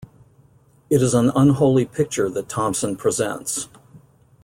It is an unholy picture that Thompson presents.